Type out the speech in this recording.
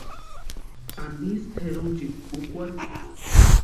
¿Antisï tʼerunchiti úkwarhikʼi?